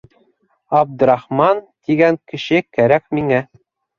Абдрахман тигән кеше кәрәк миңә...